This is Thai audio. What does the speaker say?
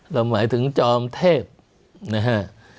หมายถึงจอมเทพนะฮะ